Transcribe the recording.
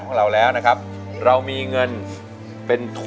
คุณจะกลับก็ได้อย่างนั้นสักครู่